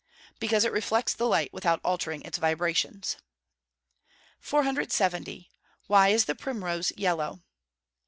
_ Because it reflects the light without altering its vibrations. 470. _Why is the primrose yellow?